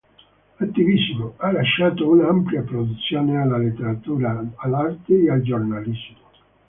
Attivissimo, ha lasciato un'ampia produzione alla letteratura, all'arte, al giornalismo.